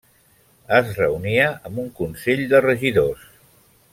Es reunia amb un consell de regidors.